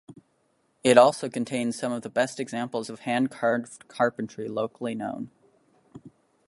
It also contains some of the best examples of hand carved carpentry locally known.